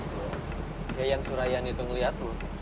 kayak yang surayann itu ngeliat lu